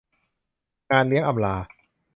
งานเลี้ยงอำลา